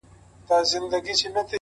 o دغه خوار ملنگ څو ځايه تندی داغ کړ.